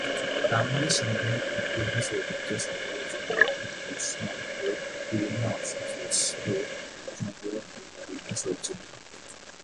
বাংলাদেশ সেনাবাহিনীর ইতিহাস, ঐতিহ্য, সাফল্য সংক্রান্ত নিদর্শন ও বিভিন্ন অস্ত্র-শস্ত্রের সংগ্রহ নিয়ে জাদুঘরটি সজ্জিত।